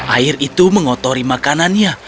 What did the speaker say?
air itu mengotori makanannya